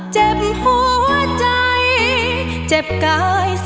เจ็บหัวใจเจ็บกาย